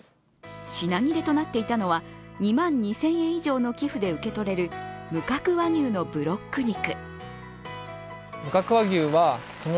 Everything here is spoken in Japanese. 品切れとなっていたのは２万２０００以上の寄付で受け取れる無角和牛のブロック肉。